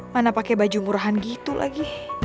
mana pakai baju murahan gitu lagi